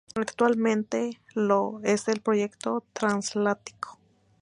Actualmente lo es del Proyecto Transatlántico.